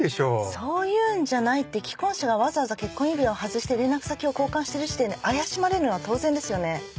そういうんじゃないって既婚者がわざわざ結婚指輪を外して連絡先を交換してる時点で怪しまれるのは当然ですよね？